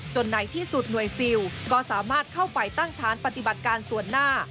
ในที่สุดหน่วยซิลก็สามารถเข้าไปตั้งฐานปฏิบัติการส่วนหน้า